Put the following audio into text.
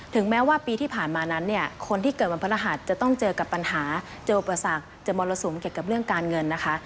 แม้ว่าปีที่ผ่านมานั้นเนี่ยคนที่เกิดวันพระรหัสจะต้องเจอกับปัญหาเจออุปสรรคเจอมรสุมเกี่ยวกับเรื่องการเงินนะคะ